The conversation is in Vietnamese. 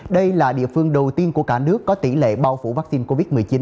đây là địa phương đầu tiên của cả nước có tỷ lệ bao phủ vaccine covid một mươi chín